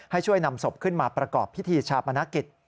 ให้ช่วยนำศพขึ้นมาประกอบพิธีชาปนกิจ